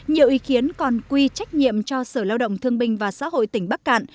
nhiều ý kiến còn quy trách nhiệm cho sở lao động thương binh và xã hội tỉnh bắc cạn